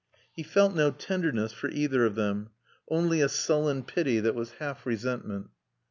He felt no tenderness for either of them, only a sullen pity that was half resentment.